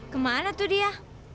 kemana tuh dia